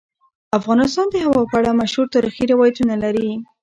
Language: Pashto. افغانستان د هوا په اړه مشهور تاریخی روایتونه لري.